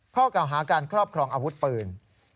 เก่าหาการครอบครองอาวุธปืน